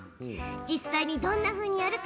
実際にどんなふうにやるか